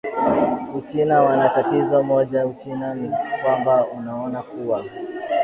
uchina wana wana tatizo moja uchina ni kwamba unaona kuwa